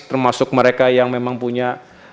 termasuk mereka yang memang punya